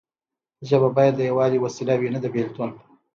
ژبه باید د یووالي وسیله وي نه د بیلتون.